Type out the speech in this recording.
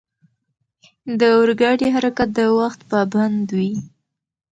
د اورګاډي حرکت د وخت پابند وي.